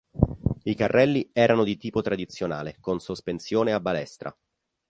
I carrelli erano di tipo tradizionale con sospensione a balestra.